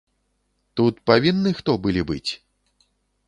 Тут павінны хто былі быць?